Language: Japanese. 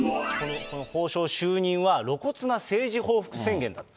この法相就任は露骨な政治報復宣言だと。